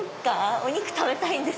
お肉食べたいんですけど。